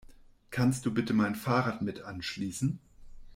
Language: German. Kannst du bitte mein Fahrrad mit anschließen?